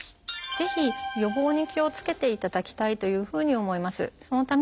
ぜひ予防に気をつけていただきたいというふうに思います。